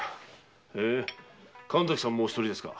へえ神崎さんもお独りですか。